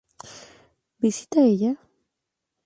¿Visita ella?